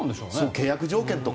契約条件とか。